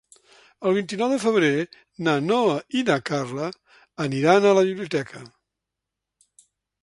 El vint-i-nou de febrer na Noa i na Carla aniran a la biblioteca.